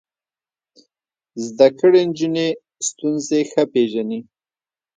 زده کړې نجونې ستونزې ښه پېژني.